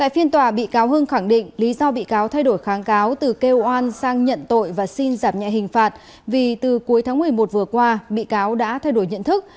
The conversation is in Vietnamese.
tại phiên tòa bị cáo hưng khẳng định lý do bị cáo thay đổi kháng cáo từ kêu oan sang nhận tội và xin giảm nhẹ hình phạt vì từ cuối tháng một mươi một vừa qua bị cáo đã thay đổi nhận thức